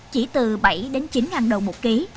chỉ từ bảy chín ngàn đồng một ký